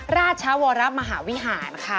ราชวรมหาวิหารค่ะ